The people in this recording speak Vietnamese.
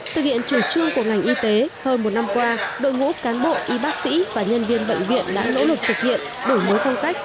thực hiện chủ trương của ngành y tế hơn một năm qua đội ngũ cán bộ y bác sĩ và nhân viên bệnh viện đã nỗ lực thực hiện đổi mới phong cách